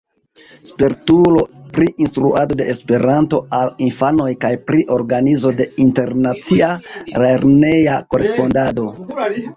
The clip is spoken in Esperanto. Spertulo pri instruado de Esperanto al infanoj kaj pri organizo de internacia lerneja korespondado.